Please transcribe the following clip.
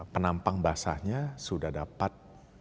penampang basahnya sudah dapat